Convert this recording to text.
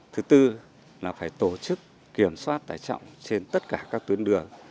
thứ tư là phải tổ chức kiểm soát tải trọng trên tất cả các tuyến đường